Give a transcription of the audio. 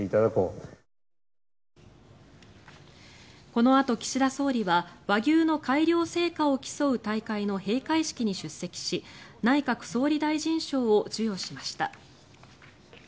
このあと、岸田総理は和牛の改良成果を競う大会の閉会式に出席し内閣総理大臣賞を授与しました。